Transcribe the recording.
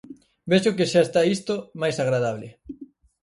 Vexo que xa está isto máis agradable.